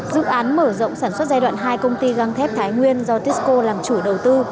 dự án mở rộng sản xuất giai đoạn hai công ty găng thép thái nguyên do tisco làm chủ đầu tư